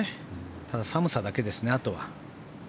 ただ、寒さだけですね、あとは。